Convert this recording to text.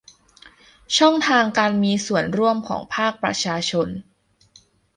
ช่องทางการมีส่วนร่วมของภาคประชาชน